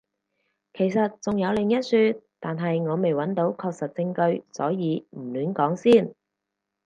其實仲有另一說，但係我未揾到確實證據，所以唔亂講先